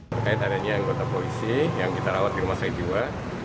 terkait adanya anggota polisi yang kita rawat di rumah sakit jiwa